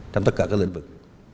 trong tất cả các lĩnh vực